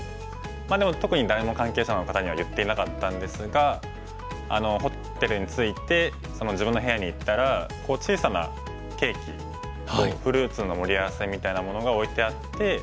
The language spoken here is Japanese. でも特に誰も関係者の方には言っていなかったんですがホテルに着いて自分の部屋に行ったら小さなケーキをフルーツの盛り合わせみたいなものが置いてあって。